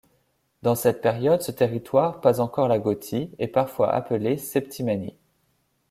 Dans cette période ce territoire, pas encore la Gothie, est parfois appelé Septimanie.